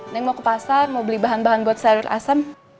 neng mau ke pasar mau beli bahan bahan buat seluruh asam